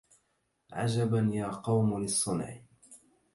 عجبا يا قوم للصنع